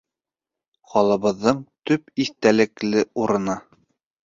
Ҡалабыҙҙың төп иҫтәлекле урыны